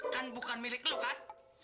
kan bukan milik lo kan